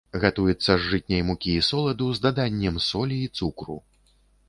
Гатуецца з жытняй мукі і соладу з даданнем солі і цукру.